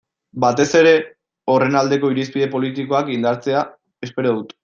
Batez ere horren aldeko irizpide politikoak indartzea espero dut.